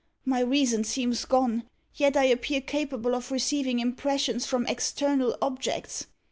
My reason seems gone, yet I appear capable of receiving impressions from external objects.